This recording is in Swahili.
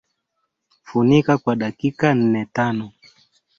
Funika kwa dakika nnetano